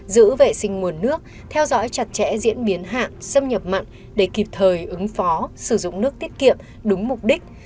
giữ vệ sinh nguồn nước theo dõi chặt chẽ diễn biến hạn xâm nhập mặn để kịp thời ứng phó sử dụng nước tiết kiệm đúng mục đích